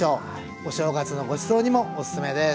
お正月のごちそうにもおすすめです。